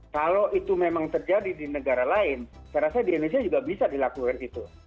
kalau itu memang terjadi di negara lain saya rasa di indonesia juga bisa dilakukan itu